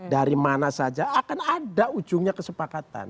dari mana saja akan ada ujungnya kesepakatan